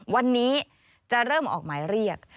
วันนี้จะเริ่มออกหมายเรียก